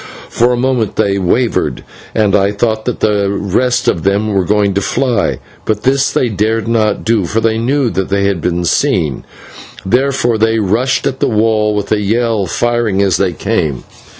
For a moment they wavered, and I thought that the rest of them were going to fly, but this they dared not do, for they knew that they had been seen; therefore they rushed at the wall with a yell, firing as they came.